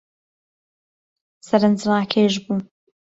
سەرنج ڕاکێش بوو